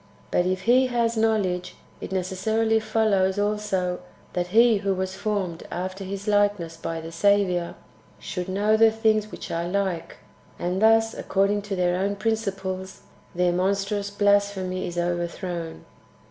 But if He has knowledge, it necessarily follows also that he who was formed after his likeness by the Saviour should know tlie things which are like ; and thus, according to their own principles, their monstrous blasphemy is overthrown.